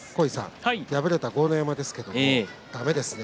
敗れた豪ノ山ですがだめですね。